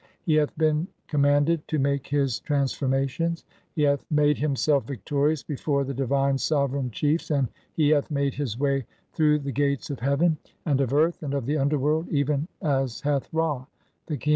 "He hath been commanded to (14) make his transformations, he "hath make himself victorious before the divine sovereign chiefs, "and he hath made his way through the gates of heaven, and "of earth, and of the underworld, even a s hath Ra.